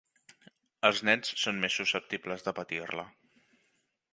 Els nens són més susceptibles de patir-la.